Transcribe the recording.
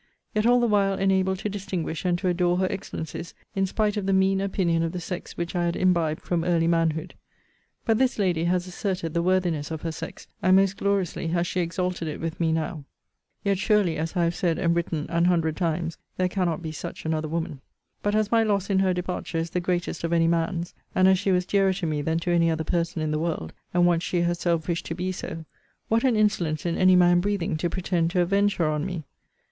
Yet all the while enabled to distinguish and to adore her excellencies, in spite of the mean opinion of the sex which I had imbibed from early manhood. But this lady has asserted the worthiness of her sex, and most gloriously has she exalted it with me now. Yet, surely, as I have said and written an hundred times, there cannot be such another woman. But as my loss in her departure is the greatest of any man's, and as she was dearer to me than to any other person in the world, and once she herself wished to be so, what an insolence in any man breathing to pretend to avenge her on me!